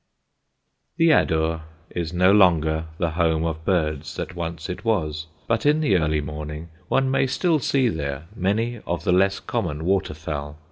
_" The Adur is no longer the home of birds that once it was, but in the early morning one may still see there many of the less common water fowl.